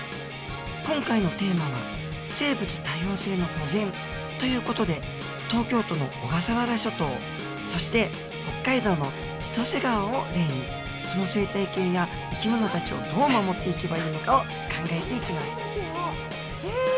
今回のテーマは「生物多様性の保全」という事で東京都の小笠原諸島そして北海道の千歳川を例にその生態系や生き物たちをどう守っていけばいいのかを考えていきますへえ！